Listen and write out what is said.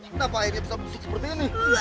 kenapa airnya bisa musik seperti ini